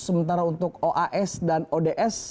sementara untuk oas dan ods